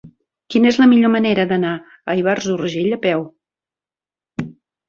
Quina és la millor manera d'anar a Ivars d'Urgell a peu?